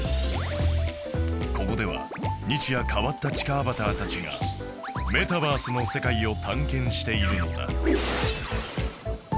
ここでは日夜変わった地下アバターたちがメタバースの世界を探検しているのだ